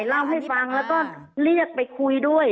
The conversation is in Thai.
เล่าให้ฟังแล้วก็เรียกไปคุยด้วย